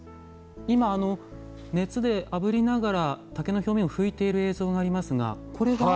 今熱であぶりながら竹の表面を拭いている映像がありますがこれは？